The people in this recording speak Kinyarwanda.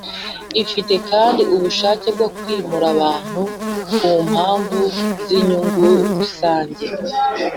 Ifite kandi ububasha bwo kwimura abantu ku mpamvu z’inyungu rusange.